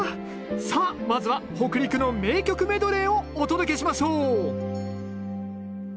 さあまずは北陸の名曲メドレーをお届けしましょう